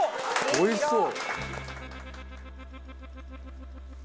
おいしそう。